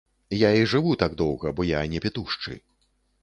Я і жыву так доўга, бо я не пітушчы.